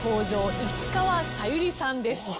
石川さゆりさんです。